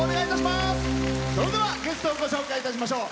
それではゲストご紹介しましょう。